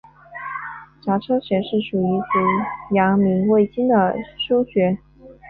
颊车穴是属于足阳明胃经的腧穴。